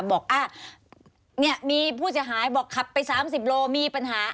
บอกเนี่ยมีผู้เสียหายบอกขับไป๓๐โลมีปัญหา